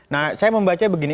nah saya membaca begini